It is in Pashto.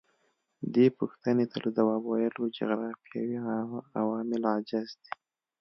دې پوښتنې ته له ځواب ویلو جغرافیوي عوامل عاجز دي.